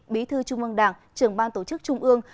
bí thư trung ương đảng trưởng ban tổ chức trung ương